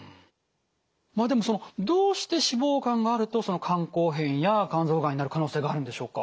まあでもそのどうして脂肪肝があると肝硬変や肝臓がんになる可能性があるんでしょうか。